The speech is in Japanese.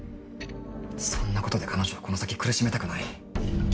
そんなことで彼女をこの先苦しめたくない。